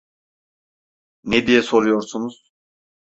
Ne diye soruyorsunuz?